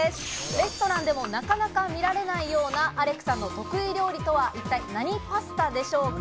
レストランでもなかなか見られないようなアレクさんの得意料理とは、一体何パスタでしょうか？